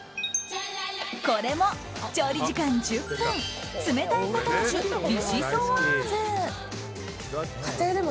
これも調理時間１０分冷たいポタージュ、ビシソワーズ。